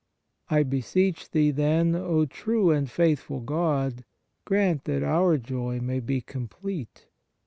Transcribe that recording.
I beseech Thee, then, O true and faithful God, grant that our joy may be complete.